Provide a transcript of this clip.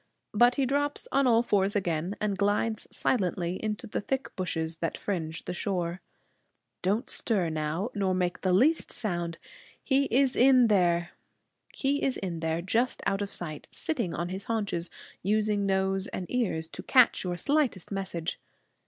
But he drops on all fours again, and glides silently into the thick bushes that fringe the shore. Don't stir now, nor make the least sound. He is in there, just out of sight, sitting on his haunches, using nose and ears to catch your slightest message.